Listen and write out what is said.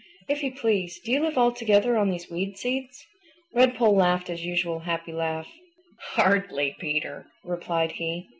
"If you please, do you live altogether on these weed seeds?" Redpoll laughed his usual happy laugh. "Hardly, Peter," replied he.